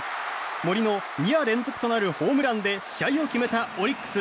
森も２夜連続となるホームランで試合を決めたオリックス。